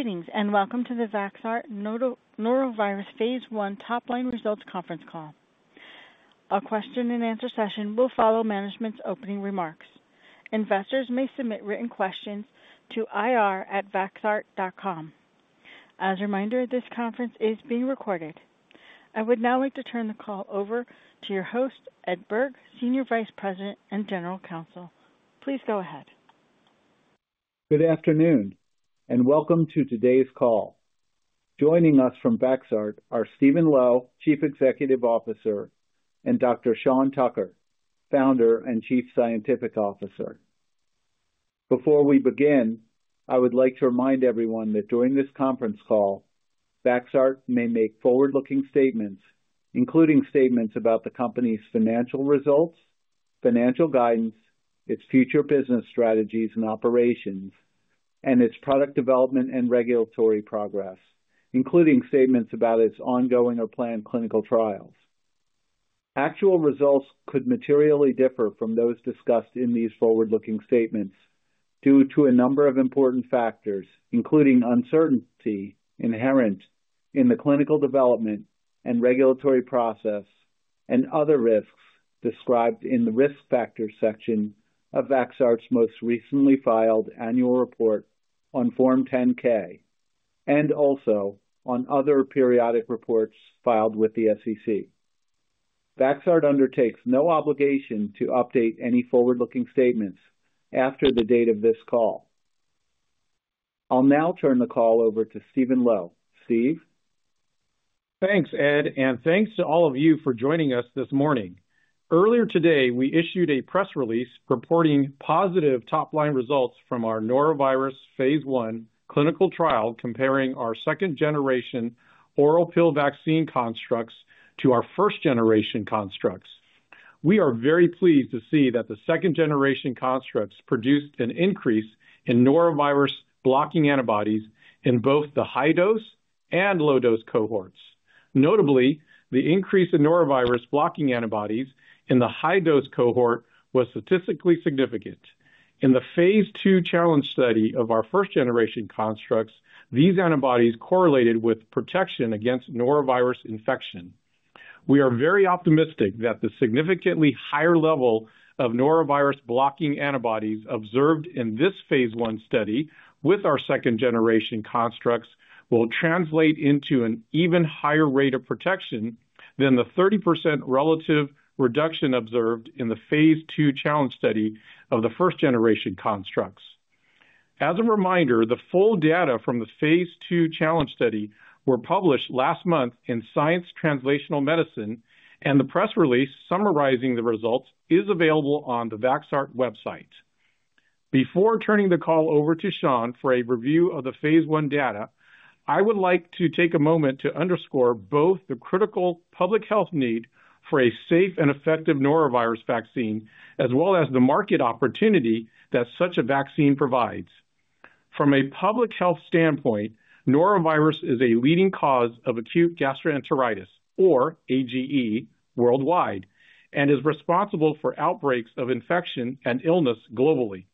Greetings and welcome to the Vaxart norovirus phase I top-line results conference call. A question-and-answer session will follow management's opening remarks. Investors may submit written questions to ir@vaxart.com. As a reminder, this conference is being recorded. I would now like to turn the call over to your host, Ed Berg, Senior Vice President and General Counsel. Please go ahead. Good afternoon and welcome to today's call. Joining us from Vaxart are Steven Lo, Chief Executive Officer, and Dr. Sean Tucker, Founder and Chief Scientific Officer. Before we begin, I would like to remind everyone that during this conference call, Vaxart may make forward-looking statements, including statements about the company's financial results, financial guidance, its future business strategies and operations, and its product development and regulatory progress, including statements about its ongoing or planned clinical trials. Actual results could materially differ from those discussed in these forward-looking statements due to a number of important factors, including uncertainty inherent in the clinical development and regulatory process and other risks described in the risk factors section of Vaxart's most recently filed annual report on Form 10-K and also on other periodic reports filed with the SEC. Vaxart undertakes no obligation to update any forward-looking statements after the date of this call. I'll now turn the call over to Steven Lo. Steve? Thanks, Ed, and thanks to all of you for joining us this morning. Earlier today, we issued a press release reporting positive top-line results from our norovirus phase 1 clinical trial comparing our second-generation oral pill vaccine constructs to our First-generation constructs. We are very pleased to see that the Second-generation constructs produced an increase in norovirus blocking antibodies in both the high-dose and low-dose cohorts. Notably, the increase in norovirus blocking antibodies in the high-dose cohort was statistically significant. In the phase II challenge study of our First-generation constructs, these antibodies correlated with protection against norovirus infection. We are very optimistic that the significantly higher level of norovirus blocking antibodies observed in this phase 1 study with our second-generation constructs will translate into an even higher rate of protection than the 30% relative reduction observed in the phase II challenge study of the first-generation constructs. As a reminder, the full data from the phase II challenge study were published last month in Science Translational Medicine, and the press release summarizing the results is available on the Vaxart website. Before turning the call over to Sean for a review of the phase 1 data, I would like to take a moment to underscore both the critical public health need for a safe and effective Norovirus vaccine, as well as the market opportunity that such a vaccine provides. From a public health standpoint, norovirus is a leading cause of acute gastroenteritis, or AGE, worldwide and is responsible for outbreaks of infection and illness globally.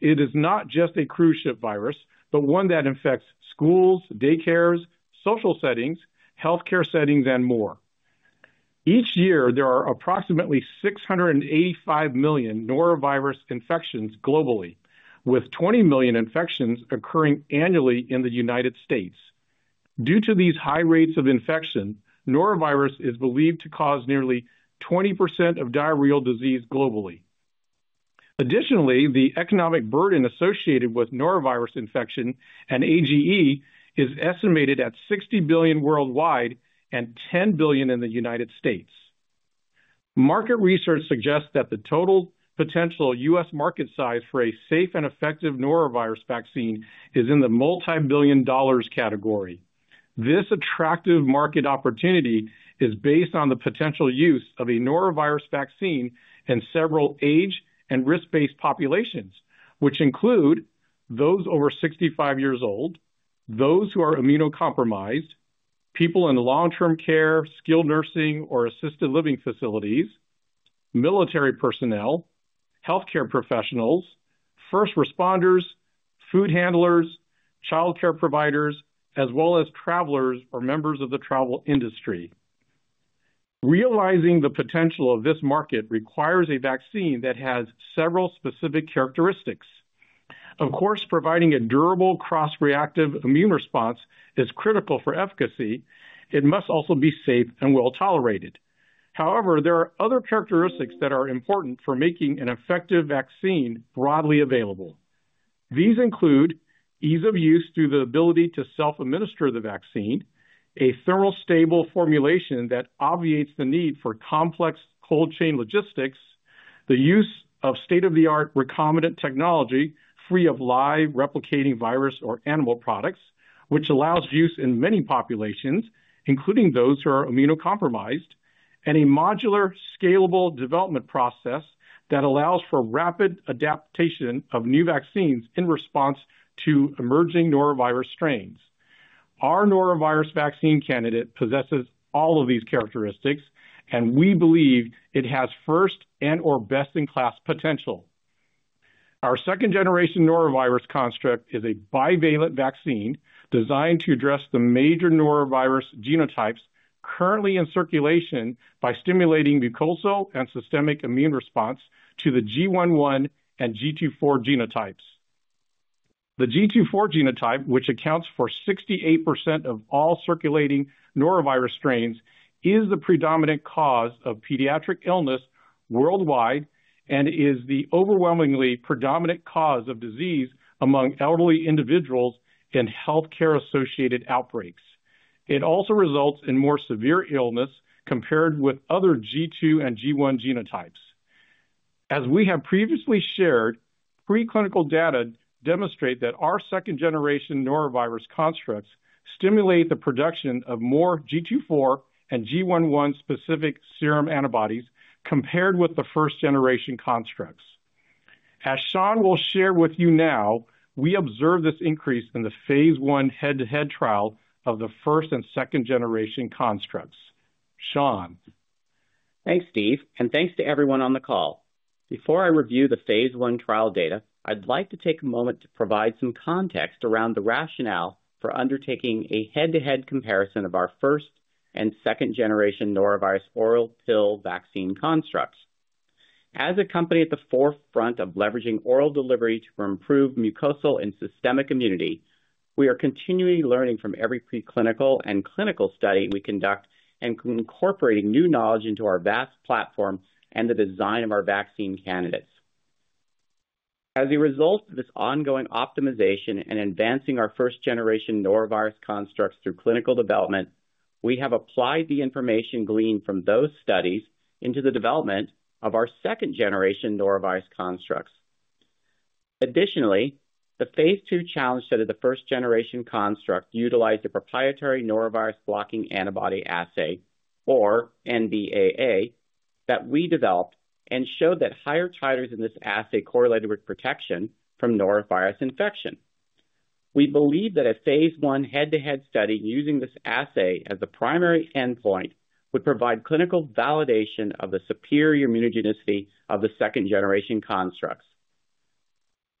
It is not just a crucial virus, but one that infects schools, daycares, social settings, healthcare settings, and more. Each year, there are approximately 685 million norovirus infections globally, with 20 million infections occurring annually in the United States. Due to these high rates of infection, norovirus is believed to cause nearly 20% of diarrheal disease globally. Additionally, the economic burden associated with norovirus infection and AGE is estimated at $60 billion worldwide and $10 billion in the U.S. Market research suggests that the total potential U.S. market size for a safe and effective Norovirus vaccine is in the multi-billion dollars category. This attractive market opportunity is based on the potential use of a Norovirus vaccine in several age and risk-based populations, which include those over 65 years old, those who are immunocompromised, people in long-term care, skilled nursing or assisted living facilities, military personnel, healthcare professionals, first responders, food handlers, childcare providers, as well as travelers or members of the travel industry. Realizing the potential of this market requires a vaccine that has several specific characteristics. Of course, providing a durable cross-reactive immune response is critical for efficacy. It must also be safe and well tolerated. However, there are other characteristics that are important for making an effective vaccine broadly available. These include ease of use through the ability to self-administer the vaccine, a thermal stable formulation that obviates the need for complex cold chain logistics, the use of state-of-the-art recombinant technology free of live replicating virus or animal products, which allows use in many populations, including those who are immunocompromised, and a modular scalable development process that allows for rapid adaptation of new vaccines in response to emerging norovirus strains. Our Norovirus vaccine candidate possesses all of these characteristics, and we believe it has first and/or best-in-class potential. Our second-generation norovirus construct is a bivalent vaccine designed to address the major norovirus genotypes currently in circulation by stimulating mucosal and systemic immune response to the GI.1 and GII.4 genotypes. The GII.4 genotype, which accounts for 68% of all circulating norovirus strains, is the predominant cause of pediatric illness worldwide and is the overwhelmingly predominant cause of disease among elderly individuals in healthcare-associated outbreaks. It also results in more severe illness compared with other GII and GI genotypes. As we have previously shared, preclinical data demonstrate that our second-generation norovirus constructs stimulate the production of more GII.4 and GI.1 specific serum antibodies compared with the First-generation constructs. As Sean will share with you now, we observed this increase in the phase I head-to-head trial of the first and second-generation constructs. Sean. Thanks, Steve, and thanks to everyone on the call. Before I review the phase I trial data, I'd like to take a moment to provide some context around the rationale for undertaking a head-to-head comparison of our first and second-generation Norovirus oral pill vaccine constructs. As a company at the forefront of leveraging oral delivery to improve mucosal and systemic immunity, we are continually learning from every preclinical and clinical study we conduct and incorporating new knowledge into our vast platform and the design of our vaccine candidates. As a result of this ongoing optimization and advancing our first-generation norovirus constructs through clinical development, we have applied the information gleaned from those studies into the development of our second-generation norovirus constructs. Additionally, the phase II challenge study of the first-generation construct utilized a proprietary Norovirus Blocking Antibody Assay, or NBAA, that we developed and showed that higher titers in this assay correlated with protection from norovirus infection. We believe that a phase I head-to-head study using this assay as the primary endpoint would provide clinical validation of the superior immunogenicity of the second-generation constructs.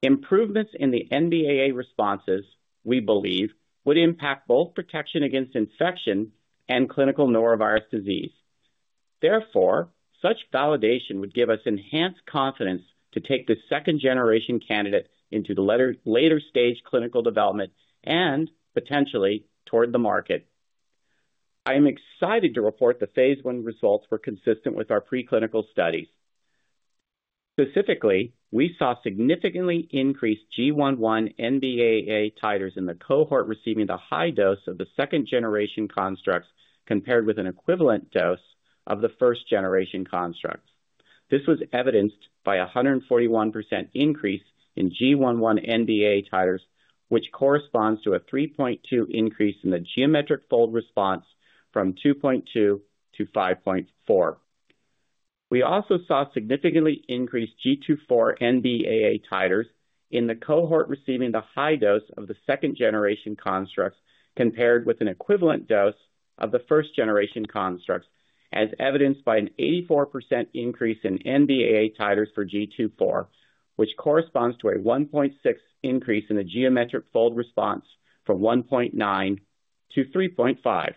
Improvements in the NBAA responses, we believe, would impact both protection against infection and clinical norovirus disease. Therefore, such validation would give us enhanced confidence to take the second-generation candidate into the later-stage clinical development and potentially toward the market. I am excited to report the phase I results were consistent with our preclinical studies. Specifically, we saw significantly increased GI.1 NBAA titers in the cohort receiving the high dose of the Second-generation constructs compared with an equivalent dose of the First-generation constructs. This was evidenced by a 141% increase in GI.1 NBAA titers, which corresponds to a 3.2% increase in the geometric fold response from 2.2% to 5.4%. We also saw significantly increased GII.4 NBAA titers in the cohort receiving the high dose of the Second-generation constructs compared with an equivalent dose of the First-generation constructs, as evidenced by an 84% increase in NBAA titers for GII.4, which corresponds to a 1.6% increase in the geometric fold response from 1.9% to 3.5%.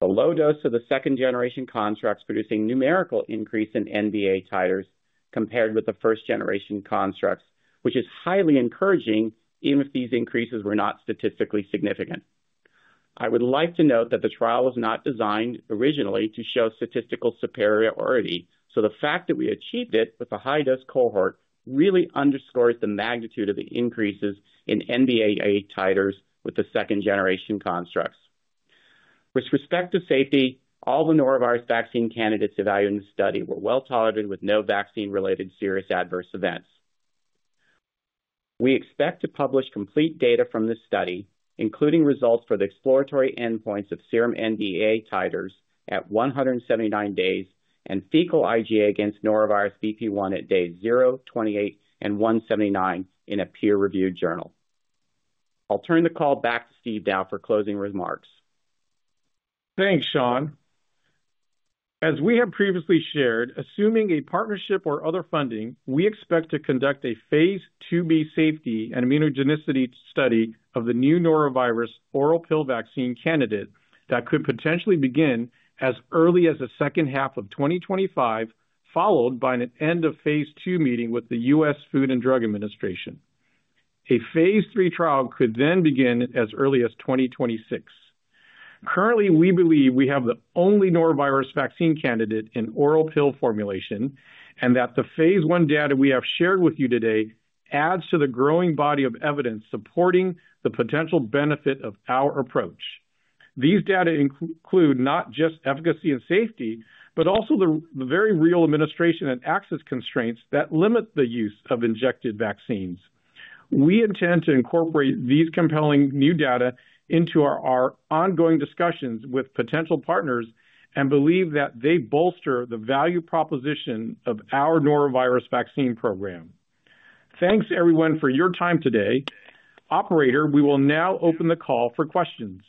The low dose of the Second-generation constructs produced a numerical increase in NBAA titers compared with the First-generation constructs, which is highly encouraging even if these increases were not statistically significant. I would like to note that the trial was not designed originally to show statistical superiority, so the fact that we achieved it with a high-dose cohort really underscores the magnitude of the increases in NBAA titers with the Second-generation constructs. With respect to safety, all the Norovirus vaccine candidates evaluated in the study were well tolerated with no vaccine-related serious adverse events. We expect to publish complete data from this study, including results for the exploratory endpoints of serum NBAA titers at 179 days and fecal IgA against norovirus VP1 at days zero, 28, and 179 in a peer-reviewed journal. I'll turn the call back to Steve now for closing remarks. Thanks, Sean. As we have previously shared, assuming a partnership or other funding, we expect to conduct a phase IIb safety and immunogenicity study of the new norovirus oral pill vaccine candidate that could potentially begin as early as the second half of 2025, followed by an end-of-phase II meeting with the U.S. Food and Drug Administration. A phase III trial could then begin as early as 2026. Currently, we believe we have the only Norovirus vaccine candidate in oral pill formulation and that the phase I data we have shared with you today adds to the growing body of evidence supporting the potential benefit of our approach. These data include not just efficacy and safety, but also the very real administration and access constraints that limit the use of injected vaccines. We intend to incorporate these compelling new data into our ongoing discussions with potential partners and believe that they bolster the value proposition of our Norovirus vaccine program. Thanks, everyone, for your time today. Operator, we will now open the call for questions.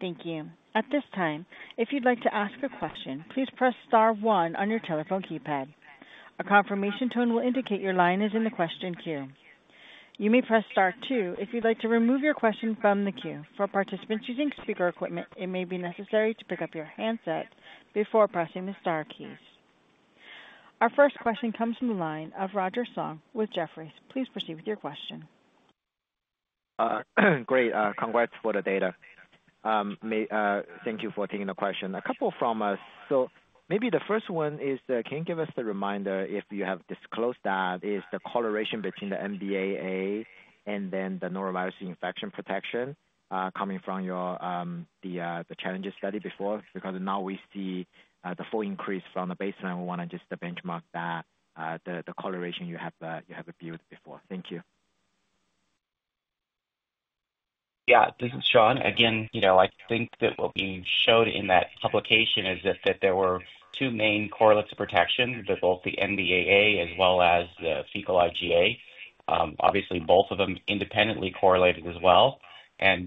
Thank you. At this time, if you'd like to ask a question, please press Star one, on your telephone keypad. A confirmation tone will indicate your line is in the question queue. You may press Star two, if you'd like to remove your question from the queue. For participants using speaker equipment, it may be necessary to pick up your handset before pressing the Star keys. Our first question comes from the line of Roger Song with Jefferies. Please proceed with your question. Great. Congrats for the data. Thank you for taking the question. A couple from us. Maybe the first one is, can you give us the reminder if you have disclosed that is the correlation between the NBAA and then the norovirus infection protection coming from the challenge study before? Because now we see the full increase from the baseline. We want to just benchmark the correlation you have viewed before. Thank you. Yeah, this is Sean. Again, I think that what we showed in that publication is that there were two main correlates of protection, both the NBAA as well as the fecal IgA. Obviously, both of them independently correlated as well.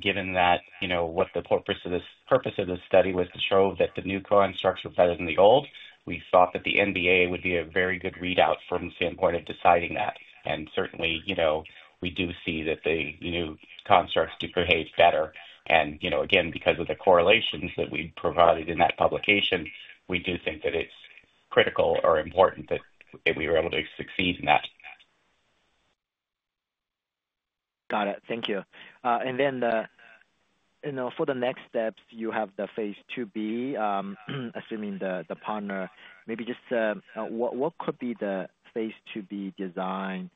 Given that what the purpose of this study was to show that the new constructs were better than the old, we thought that the NBAA would be a very good readout from the standpoint of deciding that. Certainly, we do see that the new constructs do behave better. Again, because of the correlations that we provided in that publication, we do think that it's critical or important that we were able to succeed in that. Got it. Thank you. For the next steps, you have the phase IIb, assuming the partner. Maybe just what could be the phase IIb design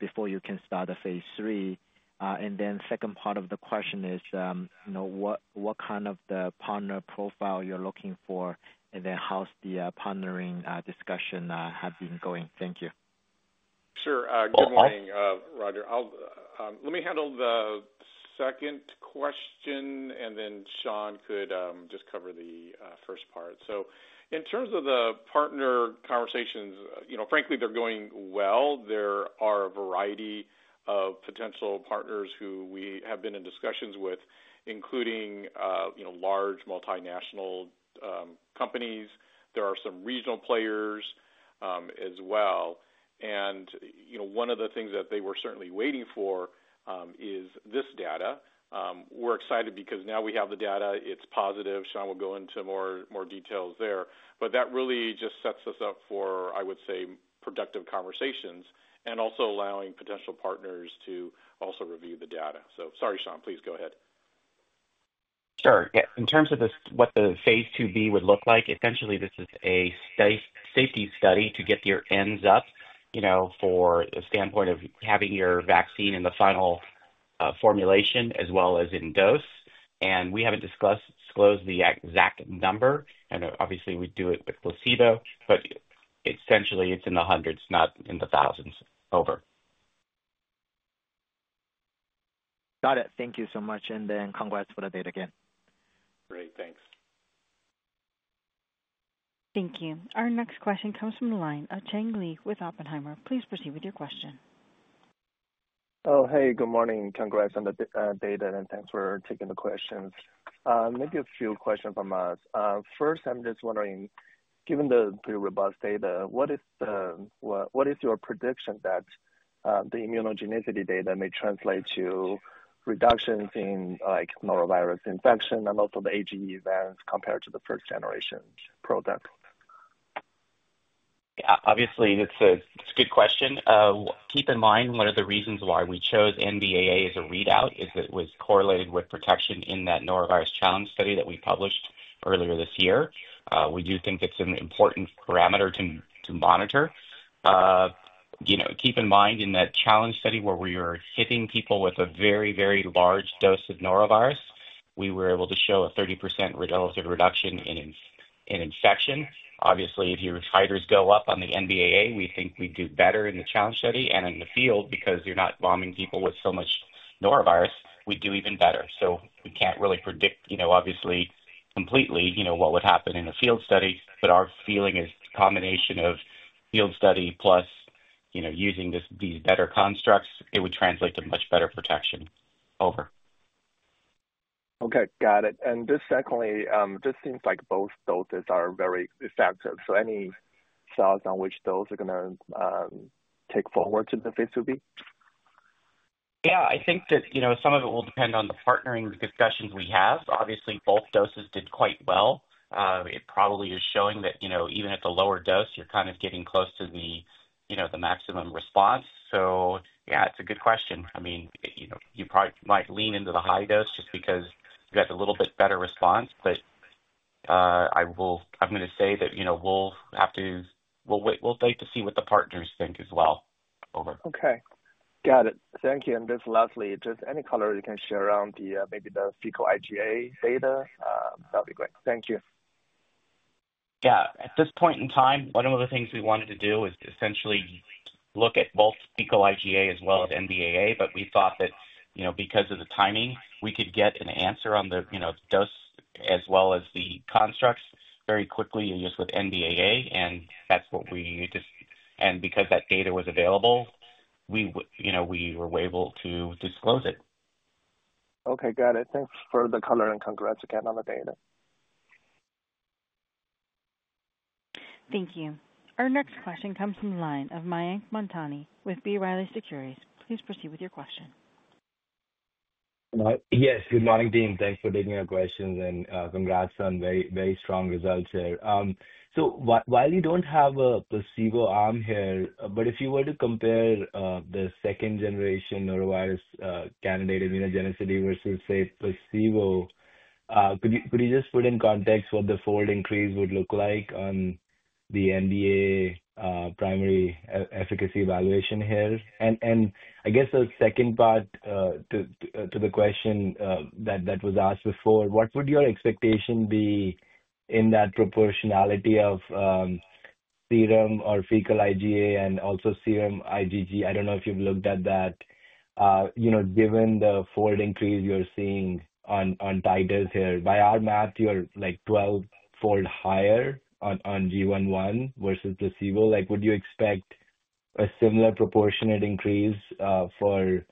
before you can start the phase III? The second part of the question is, what kind of partner profile you're looking for? How's the partnering discussion been going? Thank you. Sure. Good morning, Roger. Let me handle the second question, and then Sean could just cover the first part. In terms of the partner conversations, frankly, they're going well. There are a variety of potential partners who we have been in discussions with, including large multinational companies. There are some regional players as well. One of the things that they were certainly waiting for is this data. We're excited because now we have the data. It's positive. Sean will go into more details there. That really just sets us up for, I would say, productive conversations and also allowing potential partners to also review the data. Sorry, Sean, please go ahead. Sure. Yeah. In terms of what the phase IIb would look like, essentially, this is a safety study to get your ends up from the standpoint of having your vaccine in the final formulation as well as in dose. We haven't disclosed the exact number. Obviously, we do it with placebo, but essentially, it's in the hundreds, not in the thousands over. Got it. Thank you so much. Congrats for the data again. Great. Thanks. Thank you. Our next question comes from the line of Cheng Li with Oppenheimer. Please proceed with your question. Oh, hey, good morning. Congrats on the data, and thanks for taking the questions. Maybe a few questions from us. First, I'm just wondering, given the pretty robust data, what is your prediction that the immunogenicity data may translate to reductions in norovirus infection and also the IgA events compared to the first-generation product? Obviously, it's a good question. Keep in mind, one of the reasons why we chose NBAA as a readout is that it was correlated with protection in that norovirus challenge study that we published earlier this year. We do think it's an important parameter to monitor. Keep in mind in that challenge study where we were hitting people with a very, very large dose of norovirus, we were able to show a 30% relative reduction in infection. Obviously, if your titers go up on the NBAA, we think we do better in the challenge study and in the field because you're not bombing people with so much norovirus. We do even better. We can't really predict, obviously, completely what would happen in a field study, but our feeling is a combination of field study plus using these better constructs, it would translate to much better protection over. Okay. Got it. This secondly, this seems like both doses are very effective. Any thoughts on which dose are going to take forward to the phase IIb? Yeah. I think that some of it will depend on the partnering discussions we have. Obviously, both doses did quite well. It probably is showing that even at the lower dose, you're kind of getting close to the maximum response. Yeah, it's a good question. I mean, you might lean into the high dose just because you got a little bit better response, but I'm going to say that we'll wait to see what the partners think as well. Okay. Got it. Thank you. Just lastly, just any color you can share around maybe the fecal IgA data, that would be great. Thank you. Yeah. At this point in time, one of the things we wanted to do was essentially look at both fecal IgA as well as NBAA, but we thought that because of the timing, we could get an answer on the dose as well as the constructs very quickly just with NBAA. That is what we did. Because that data was available, we were able to disclose it. Okay. Got it. Thanks for the color and congrats again on the data. Thank you. Our next question comes from the line of Mayank Mamtani with B. Riley Securities. Please proceed with your question. Yes. Good morning, team. Thanks for taking our questions. Congrats on very strong results here. While you do not have a placebo arm here, if you were to compare the second-generation norovirus candidate immunogenicity versus, say, placebo, could you just put in context what the fold increase would look like on the NBAA primary efficacy evaluation here? I guess the second part to the question that was asked before, what would your expectation be in that proportionality of serum or fecal IgA and also serum IgG? I do not know if you have looked at that. Given the fold increase you are seeing on titers here, by our math, you are like 12-fold higher on GII.1 versus placebo. Would you expect a similar proportionate increase for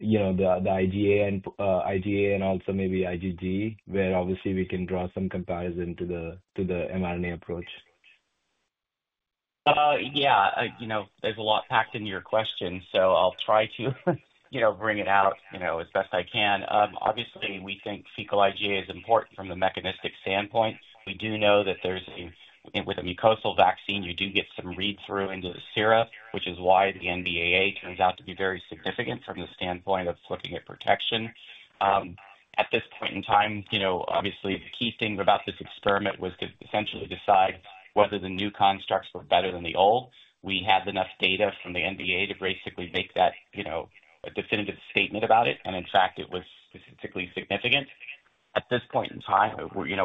the IgA and also maybe IgG, where obviously we can draw some comparison to the mRNA approach? Yeah. There's a lot packed into your question, so I'll try to bring it out as best I can. Obviously, we think fecal IgA is important from the mechanistic standpoint. We do know that with a mucosal vaccine, you do get some read-through into the serum, which is why the NBAA turns out to be very significant from the standpoint of looking at protection. At this point in time, obviously, the key thing about this experiment was to essentially decide whether the new constructs were better than the old. We had enough data from the NBAA to basically make that a definitive statement about it. In fact, it was specifically significant. At this point in time,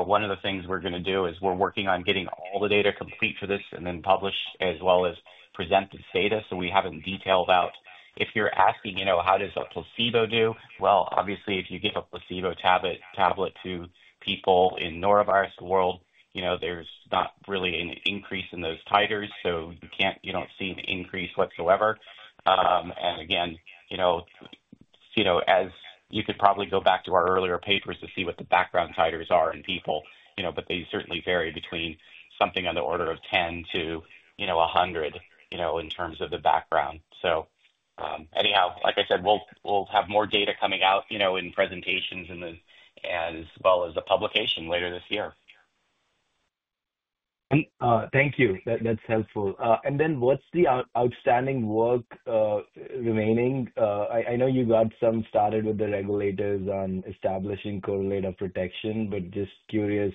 one of the things we're going to do is we're working on getting all the data complete for this and then publish as well as present this data. We haven't detailed out. If you're asking how does a placebo do, obviously, if you give a placebo tablet to people in the norovirus world, there's not really an increase in those titers. You do not see an increase whatsoever. Again, as you could probably go back to our earlier papers to see what the background titers are in people, but they certainly vary between something on the order of 10-100 in terms of the background. Anyhow, like I said, we'll have more data coming out in presentations as well as a publication later this year. Thank you. That's helpful. What's the outstanding work remaining? I know you got some started with the regulators on establishing correlates of protection, but just curious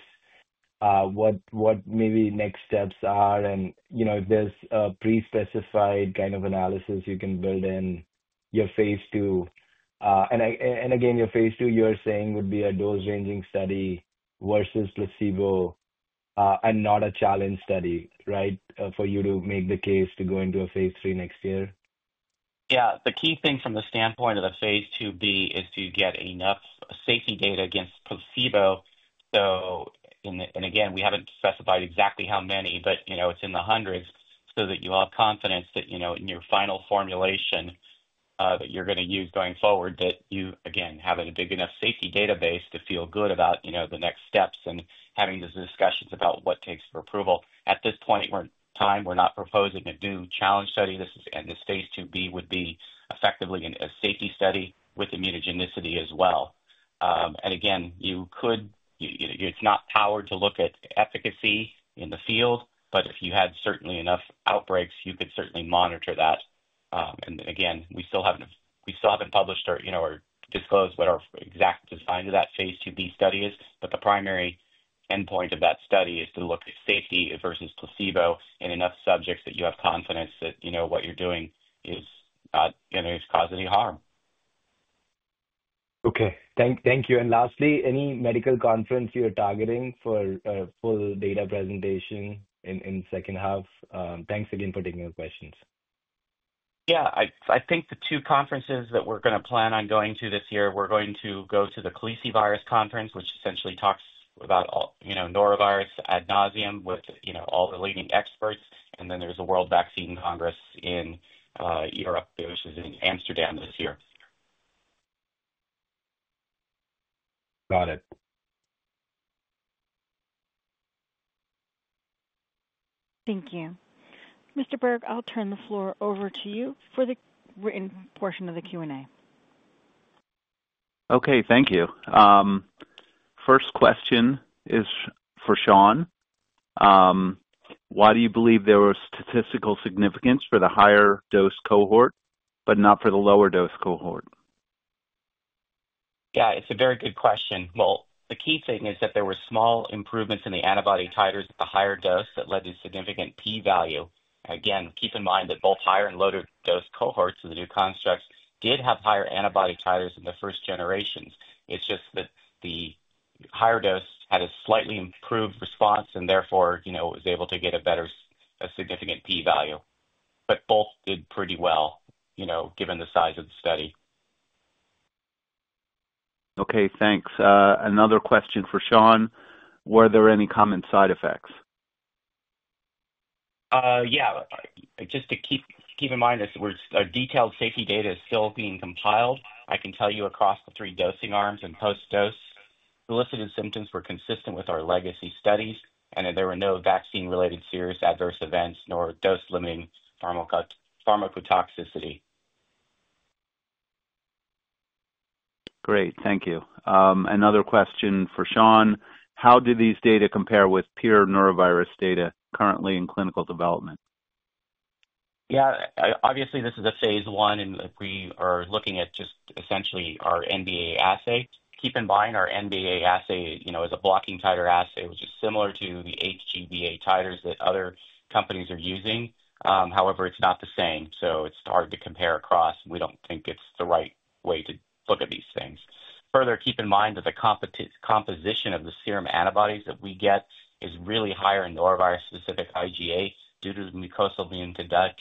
what maybe next steps are. If there's a pre-specified kind of analysis, you can build in your phase II. Again, your phase II you're saying, would be a dose-ranging study versus placebo and not a challenge study, right, for you to make the case to go into a phase III next year? Yeah. The key thing from the standpoint of the phase IIb is to get enough safety data against placebo. Again, we haven't specified exactly how many, but it's in the hundreds so that you have confidence that in your final formulation that you're going to use going forward, that you, again, have a big enough safety database to feel good about the next steps and having these discussions about what it takes for approval. At this point in time, we're not proposing a new challenge study. This phase IIb would be effectively a safety study with immunogenicity as well. Again, it's not powered to look at efficacy in the field, but if you had certainly enough outbreaks, you could certainly monitor that. Again, we still haven't published or disclosed what our exact design of that phase IIb study is. The primary endpoint of that study is to look at safety versus placebo in enough subjects that you have confidence that what you're doing is not going to cause any harm. Okay. Thank you. Lastly, any medical conference you're targeting for a full data presentation in the second half? Thanks again for taking the questions. Yeah. I think the two conferences that we're going to plan on going to this year, we're going to go to the Calici Virus Conference, which essentially talks about norovirus ad nauseam with all the leading experts. And then there's a World Vaccine Congress in Europe, which is in Amsterdam this year. Got it. Thank you. Mr. Berg, I'll turn the floor over to you for the written portion of the Q&A. Okay. Thank you. First question is for Sean. Why do you believe there was statistical significance for the higher-dose cohort but not for the lower-dose cohort? Yeah. It's a very good question. The key thing is that there were small improvements in the antibody titers at the higher dose that led to significant P-value. Again, keep in mind that both higher and lower-dose cohorts of the new constructs did have higher antibody titers than the first generations. It's just that the higher dose had a slightly improved response and therefore was able to get a significant P-value. Both did pretty well given the size of the study. Okay. Thanks. Another question for Sean. Were there any common side effects? Yeah. Just to keep in mind, detailed safety data is still being compiled. I can tell you across the three dosing arms and post-dose, elicited symptoms were consistent with our legacy studies, and there were no vaccine-related serious adverse events nor dose-limiting pharmacotoxicity. Great. Thank you. Another question for Sean. How do these data compare with pure norovirus data currently in clinical development? Yeah. Obviously, this is a phase I, and we are looking at just essentially our NBAA assay. Keep in mind, our NBAA assay is a blocking titer assay, which is similar to the HGBA titers that other companies are using. However, it's not the same. It's hard to compare across. We don't think it's the right way to look at these things. Further, keep in mind that the composition of the serum antibodies that we get is really higher in norovirus-specific IgA due to the mucosal being too Dutch.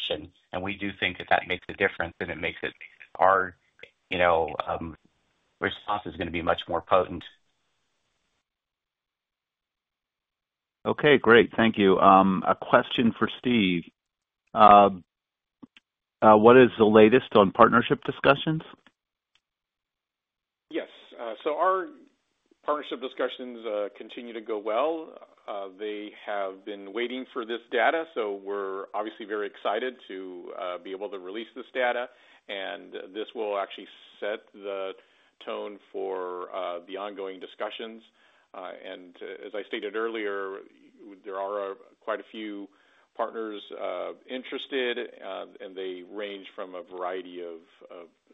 We do think that that makes a difference, and it makes it our response is going to be much more potent. Okay. Great. Thank you. A question for Steve. What is the latest on partnership discussions? Yes. Our partnership discussions continue to go well. They have been waiting for this data. We are obviously very excited to be able to release this data. This will actually set the tone for the ongoing discussions. As I stated earlier, there are quite a few partners interested, and they range from a variety of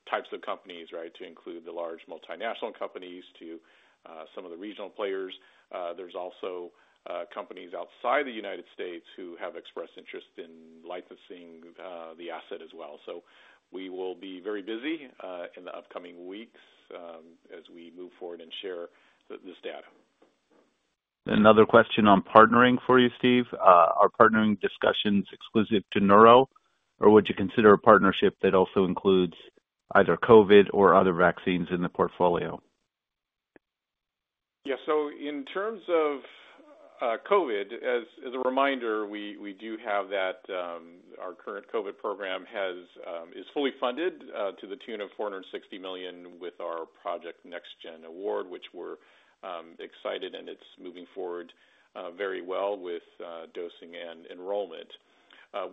types of companies, right, to include the large multinational companies to some of the regional players. There are also companies outside the United States who have expressed interest in licensing the asset as well. We will be very busy in the upcoming weeks as we move forward and share this data. Another question on partnering for you, Steve. Are partnering discussions exclusive to Neuro? Or would you consider a partnership that also includes either COVID or other vaccines in the portfolio? Yeah. In terms of COVID, as a reminder, we do have that our current COVID program is fully funded to the tune of $460 million with our Project NextGen Award, which we are excited about, and it is moving forward very well with dosing and enrollment.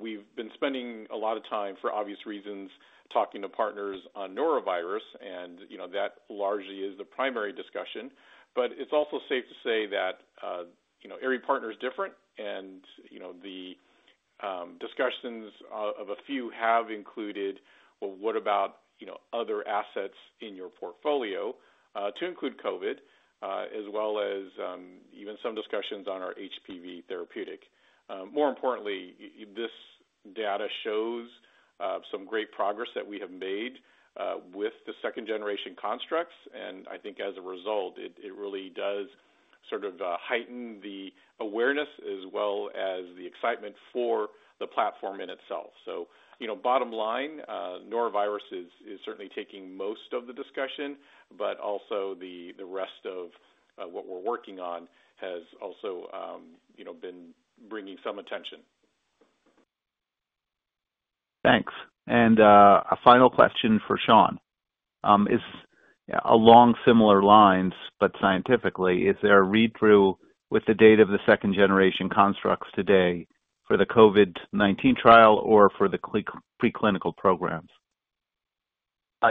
We have been spending a lot of time for obvious reasons talking to partners on norovirus, and that largely is the primary discussion. It is also safe to say that every partner is different, and the discussions of a few have included, well, what about other assets in your portfolio to include COVID, as well as even some discussions on our HPV therapeutic. More importantly, this data shows some great progress that we have made with the Second-generation constructs. I think as a result, it really does sort of heighten the awareness as well as the excitement for the platform in itself. Bottom line, norovirus is certainly taking most of the discussion, but also the rest of what we're working on has also been bringing some attention. Thanks. A final question for Sean. Along similar lines, but scientifically, is there a read-through with the data of the Second-generation constructs today for the COVID-19 trial or for the preclinical programs?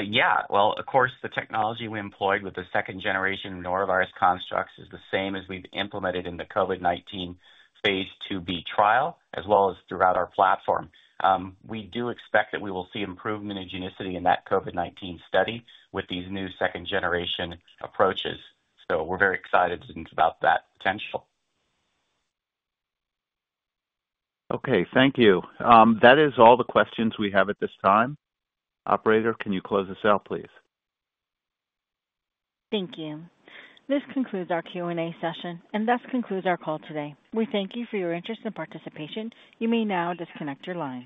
Yeah. Of course, the technology we employed with the second-generation norovirus constructs is the same as we've implemented in the COVID-19 phase IIb trial, as well as throughout our platform. We do expect that we will see improvement in immunogenicity in that COVID-19 study with these new second-generation approaches. So we're very excited about that potential. Okay. Thank you. That is all the questions we have at this time. Operator, can you close this out, please? Thank you. This concludes our Q&A session, and thus concludes our call today. We thank you for your interest and participation. You may now disconnect your line.